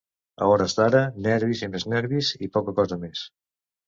A hores d’ara, nervis i més nervis… i poca cosa més.